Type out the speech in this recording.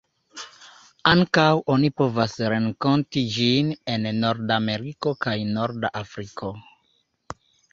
Ankaŭ oni povas renkonti ĝin en Nordameriko kaj norda Afriko.